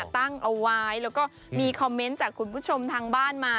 ตั้งเอาไว้แล้วก็มีคอมเมนต์จากคุณผู้ชมทางบ้านมา